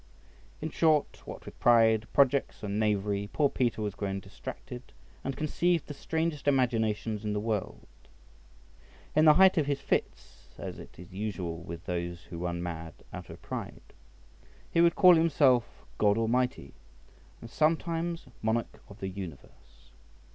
In short, what with pride, projects, and knavery, poor Peter was grown distracted, and conceived the strangest imaginations in the world. In the height of his fits (as it is usual with those who run mad out of pride) he would call himself God Almighty, and sometimes monarch of the universe.